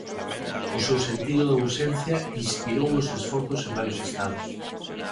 O seu sentido da urxencia inspirou os esforzos en varios estados.